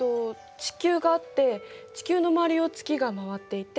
地球があって地球の周りを月が回っていて。